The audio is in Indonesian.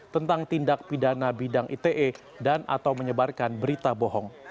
tentang tindak pidana bidang ite dan atau menyebarkan berita bohong